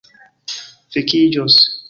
vekiĝos